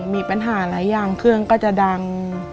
มีปัญหาหลายอย่างควรก็จะดัง